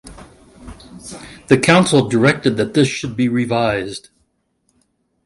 The Council directed that this should be revised.